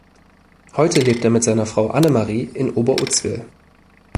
Heute lebt er mit seiner Frau Annemarie in Oberuzwil.